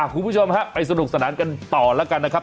คุณผู้ชมฮะไปสนุกสนานกันต่อแล้วกันนะครับ